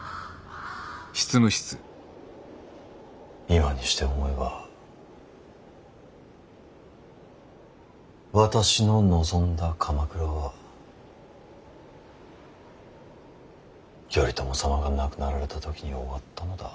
今にして思えば私の望んだ鎌倉は頼朝様が亡くなられた時に終わったのだ。